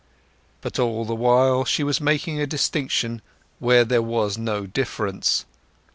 But all the while she was making a distinction where there was no difference.